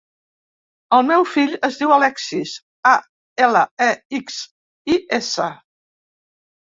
El meu fill es diu Alexis: a, ela, e, ics, i, essa.